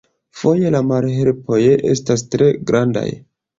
Foje la malhelpoj estas tre grandaj!